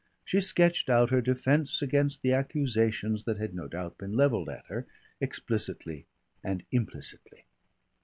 She sketched out her defence against the accusations that had no doubt been levelled at her, explicitly and implicitly.